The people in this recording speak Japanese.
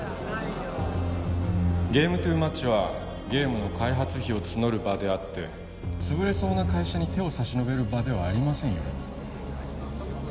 ゲーム・トゥ・マッチはゲームの開発費を募る場であってつぶれそうな会社に手を差し伸べる場ではありませんよ